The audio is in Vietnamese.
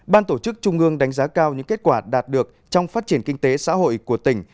ban tổ chức trung ương đánh giá cao những kết quả đạt được trong phát triển kinh tế xã hội của tỉnh